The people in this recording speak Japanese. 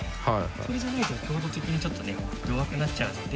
それじゃないと強度的にちょっとね弱くなっちゃうので。